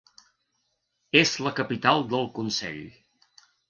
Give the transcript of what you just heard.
És la capital del consell.